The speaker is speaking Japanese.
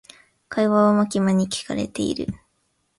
会話はマキマに聞かれている。